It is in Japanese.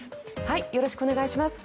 よろしくお願いします。